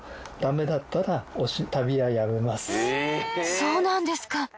そうなんですか。